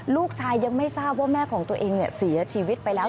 ยังไม่ทราบว่าแม่ของตัวเองเสียชีวิตไปแล้ว